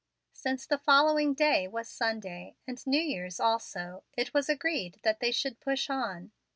Since the following day was Sunday, and New Year's also, it was agreed that they should push on.